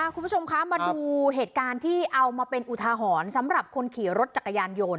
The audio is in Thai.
คุณผู้ชมคะมาดูเหตุการณ์ที่เอามาเป็นอุทาหรณ์สำหรับคนขี่รถจักรยานยนต์